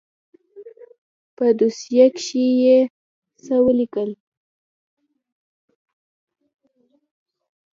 په دوسيه کښې يې څه وليکل.